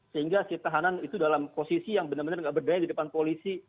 sehingga si tahanan itu dalam posisi yang benar benar tidak berdaya di depan polisi